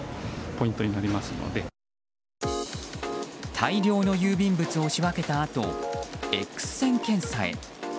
大量の郵便物を仕分けたあとエックス線検査へ。